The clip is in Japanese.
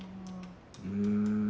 うん。